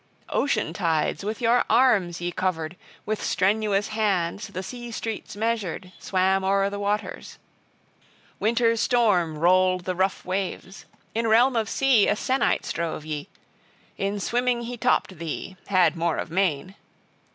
Ocean tides with your arms ye covered, with strenuous hands the sea streets measured, swam o'er the waters. Winter's storm rolled the rough waves. In realm of sea a sennight strove ye. In swimming he topped thee, had more of main!